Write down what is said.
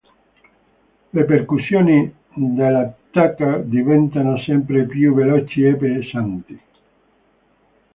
Le percussioni della Tucker diventano sempre più veloci e pesanti.